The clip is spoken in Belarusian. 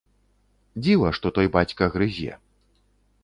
Дзіва што той бацька грызе.